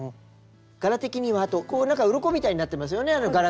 柄的にはあとうろこみたいになってますよね柄が。